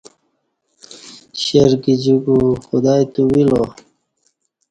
شیر گجیکو خدائی تووی لا